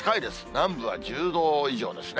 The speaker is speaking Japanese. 南部は１０度以上ですね。